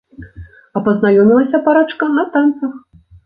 А пазнаёмілася парачка на танцах.